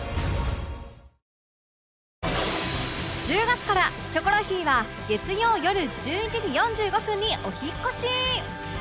１０月から『キョコロヒー』は月曜よる１１時４５分にお引っ越し！